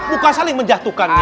bukan saling menjatuhkannya